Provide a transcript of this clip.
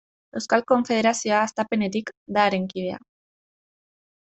Euskal Konfederazioa hastapenetik da haren kide.